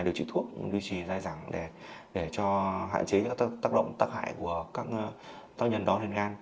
điều trị thuốc duy trì dài dẳng để cho hạn chế các tác động tác hại của các tác nhân đó lên gan